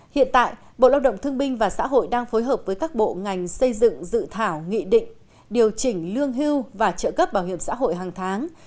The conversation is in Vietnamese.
hiện tại bộ lao động thương binh và xã hội đang phối hợp với các bộ ngành xây dựng dự thảo nghị định điều chỉnh lương hưu và trợ cấp bảo hiểm xã hội hàng tháng